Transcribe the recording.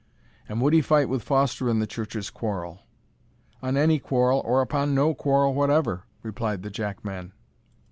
"And would he fight with Foster in the Church's quarrel?" "On any quarrel, or upon no quarrel whatever," replied the jackman.